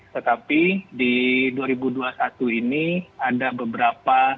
tetapi di dua ribu dua puluh satu ini ada beberapa